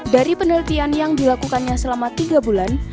dari penelitian yang dilakukannya selama tiga bulan